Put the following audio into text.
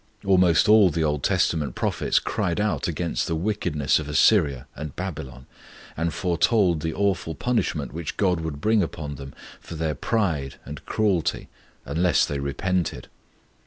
Almost all the Old Testament prophets cried out against the wickedness of Assyria and Babylon, and foretold the awful punishment which God would bring upon them for their pride and cruelty, unless they repented.